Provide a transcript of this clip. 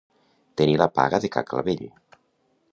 Tenir la paga de ca Clavell.